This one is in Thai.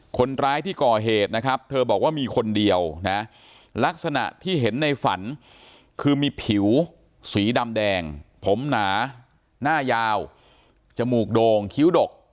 คนร้ายที่ก่อเหตุนะครับเธอบอกว่ามีคนเดียวนะลักษณะที่เห็นในฝันคือมีผิวสีดำแดงผมหนาหน้ายาวจมูกโดงคิ้วดก